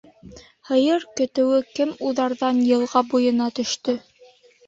Һыйыр көтөүе кем уҙарҙан йылға буйына төштө.